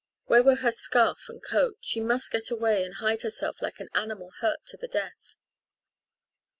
Where were her scarf and coat? She must get away and hide herself like an animal hurt to the death.